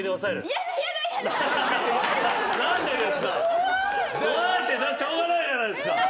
「怖い」ってしょうがないじゃないですか。